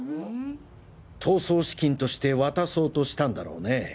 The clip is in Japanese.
逃走資金として渡そうとしたんだろうね。